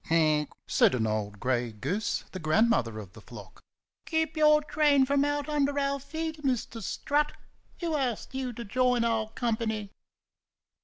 "Quack!" said an old gray goose, the grandmother of the flock. "Keep your train out from under our feet, Mr. Strut! Who asked you to join our company?"